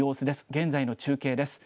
現在の中継です。